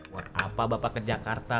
buat apa bapak ke jakarta